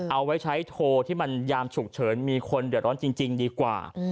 เอาไว้ใช้โทรที่มันยามฉุกเฉินมีคนเดือดร้อนจริงดีกว่า